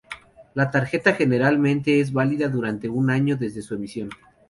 La tarjeta generalmente es válida durante un año desde su emisión.